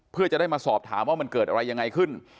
เพื่อจะได้มาสอบถามว่ามันเกิดอะไรยังไงขึ้น